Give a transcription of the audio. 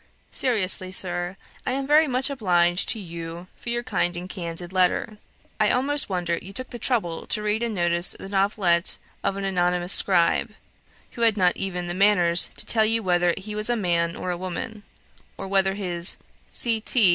Seriously, sir, I am very much obliged to you for your kind and candid letter. I almost wonder you took the trouble to read and notice the novelette of an anonymous scribe, who had not even the manners to tell you whether he was a man or a woman, or whether his 'C. T.'